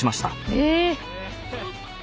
え